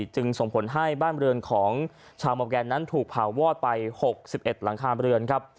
จึงส่งผลให้บ้านบริเวณของชาวมอร์แกนนั้นถูกเผาวอดไป๖๑หลังคาเรือนครับ